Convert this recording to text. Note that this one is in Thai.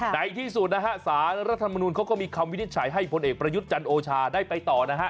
ในที่สุดนะฮะสารรัฐมนุนเขาก็มีคำวินิจฉัยให้พลเอกประยุทธ์จันโอชาได้ไปต่อนะฮะ